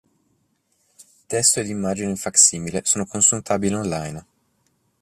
Testo ed immagine in fac-simile sono consultabili "on-line".